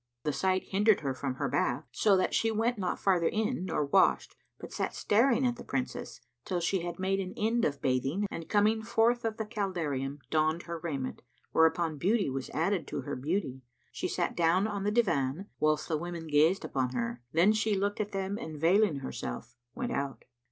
The sight hindered her from her bath, so that she went not farther in nor washed, but sat staring at the Princess, till she had made an end of bathing and coming forth of the caldarium donned her raiment, whereupon beauty was added to her beauty. She sat down on the divan,[FN#89] whilst the women gazed upon her; then she looked at them and veiling herself, went out.